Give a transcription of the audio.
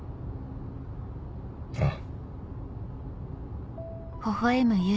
ああ。